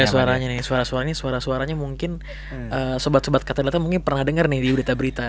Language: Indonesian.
suaranya nih suara suaranya mungkin sobat sobat ketadata mungkin pernah denger nih di udita berita